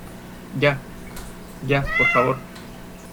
ya. ya, por favor .